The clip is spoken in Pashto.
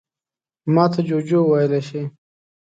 _ماته جُوجُو ويلی شې.